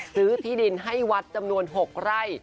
ที่ดินให้วัดจำนวน๖ไร่